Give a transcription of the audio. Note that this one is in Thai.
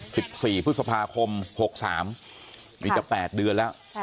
สิบสี่พฤษภาคมหกสามครับมีจะแปดเดือนแล้วใช่ค่ะ